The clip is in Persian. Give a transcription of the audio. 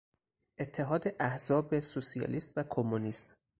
اتحاد احزاب سوسیالیست و کمونیست